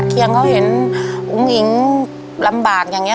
เพียงเขาเห็นอุ้งอิงลำบากอย่างเนี่ย